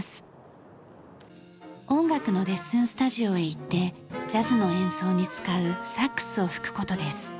音楽のレッスンスタジオへ行ってジャズの演奏に使うサックスを吹く事です。